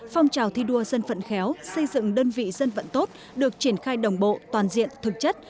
phong trào thi đua dân vận khéo xây dựng đơn vị dân vận tốt được triển khai đồng bộ toàn diện thực chất